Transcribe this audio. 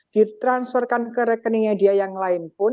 ditransferkan ke rekeningnya dia yang lain pun